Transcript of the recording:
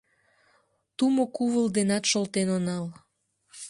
Тумо кувыл денат шолтен онал